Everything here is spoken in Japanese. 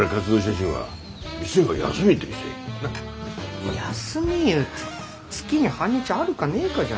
休みいうて月に半日あるかねえかじゃ。